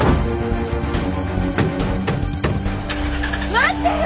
待ってよ！